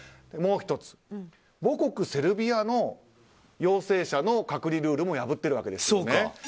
もう１つ、母国セルビアの陽性者の隔離ルールも破っているわけですよね。